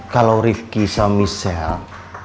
kalau rifki sama michelle sudah berhasil menjaga